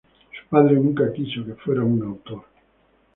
Su padre nunca quiso que fuera un autor.